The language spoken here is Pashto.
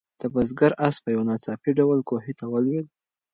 د بزګر آس په یو ناڅاپي ډول کوهي ته ولوېد.